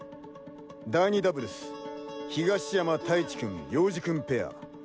第２ダブルス東山太一君・陽次君ペア。